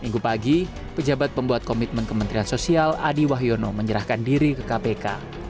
minggu pagi pejabat pembuat komitmen kementerian sosial adi wahyono menyerahkan diri ke kpk